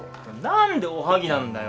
なんでおはぎなんだよ。